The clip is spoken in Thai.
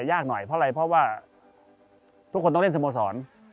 ยากหน่อยเพราะอะไรเพราะว่าทุกคนต้องเล่นสโมสร